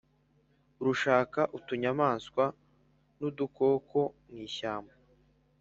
rushaka utunyamaswa n'udukoko mu ishyamba.